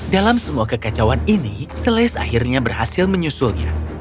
dalam semua kekacauan ini selis akhirnya berhasil menyusulnya